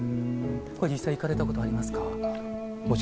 実際に行かれたことはありますか。